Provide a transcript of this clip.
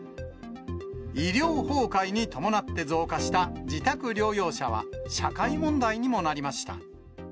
医療崩壊に伴って増加した自宅療養者は、社会問題にもなりました。